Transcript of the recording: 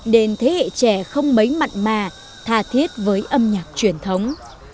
nên thế hệ trẻ không mấy mặn mà tha thiết với âm nhạc truyền thống